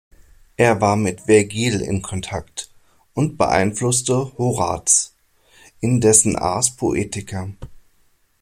Er war mit Vergil in Kontakt und beeinflusste Horaz in dessen "Ars Poetica".